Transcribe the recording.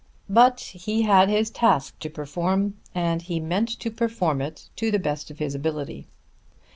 But he had his task to perform, and he meant to perform it to the best of his ability.